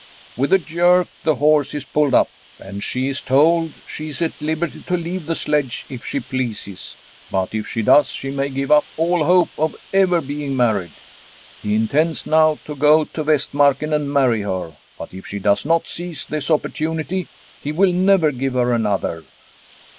With a jerk the horse is pulled up, and she is told she is at liberty to leave the sledge if she pleases, but if she does, she may give up all hope of ever being married. He intends now to go to Vastmarken and marry her, but if she does not seize this opportunity he will never give her another.